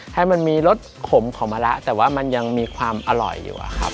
ให้มันมีรสขมของมะละแต่ว่ามันยังมีความอร่อยอยู่อะครับ